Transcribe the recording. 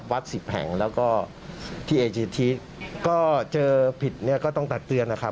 และที่เอเชียที่